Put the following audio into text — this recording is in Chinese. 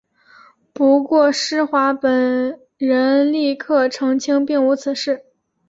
不过施华本人立刻澄清并无此事。